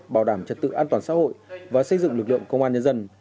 bảo đảm trật tự an toàn xã hội và xây dựng lực lượng công an nhân dân